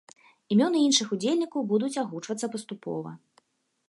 Імёны іншых удзельнікаў будуць агучвацца паступова.